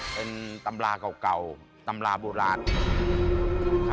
เป็นตำราเก่าตำราโบราณ